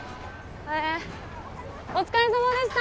お疲れさまでした！